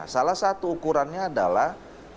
salah satu ukurannya adalah